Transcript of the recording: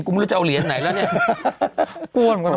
ไม่รู้จะเอาเหรียญไหนแล้วเนี่ย